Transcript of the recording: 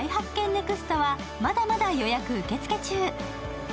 ネクストはまだまだ予約受付中。